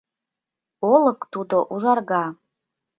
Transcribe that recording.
Олык тудо ужарга.